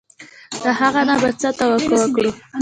د هغه نه به څه توقع وکړو.